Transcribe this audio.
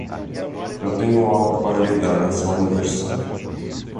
Eu tenho algo para lhe dar no seu aniversário.